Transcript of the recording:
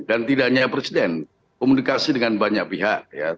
dan tidak hanya presiden komunikasi dengan banyak pihak